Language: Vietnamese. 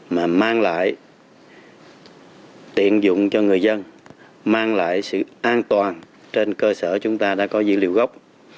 và tiện dụng cho người dân mang lại sự an toàn trên cơ sở chúng ta đã có dữ liệu gốc